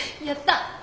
やった！